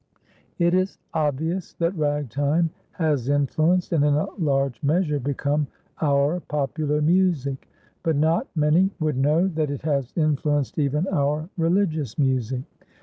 It is obvious that Ragtime has influenced, and in a large measure, become our popular music; but not many would know that it has influenced even our religious music.